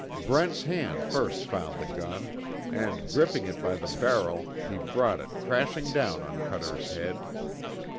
Brent's hand first found the gun, and gripping it by the barrel he brought it crashing down on Cuter's head.